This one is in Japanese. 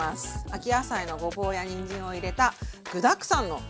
秋野菜のごぼうやにんじんを入れた具だくさんの豚汁です。